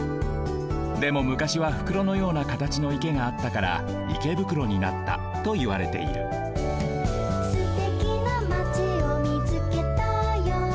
でもむかしは袋のようなかたちの池があったから池袋になったといわれている「すてきなまちをみつけたよ」